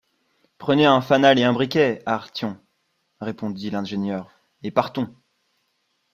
Prenez un fanal et un briquet, Ayrton, répondit l’ingénieur, et partons